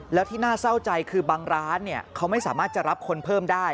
แล้วที่น่าเศร้าใจคือบางร้านเขาไม่สามารถจะรับคนเพิ่มได้